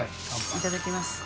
いただきます。